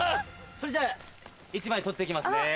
・それじゃあ１枚撮って行きますね・・